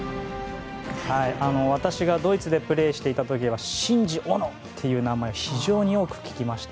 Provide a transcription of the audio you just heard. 私がドイツでプレーしていた時はシンジ・オノという名前を非常に多く聞きました。